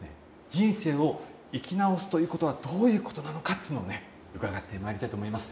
人生を生き直すということはどういうことなのかっていうのをね伺ってまいりたいと思います。